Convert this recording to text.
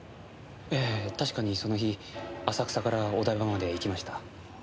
ええ確かにその日浅草からお台場まで行きました。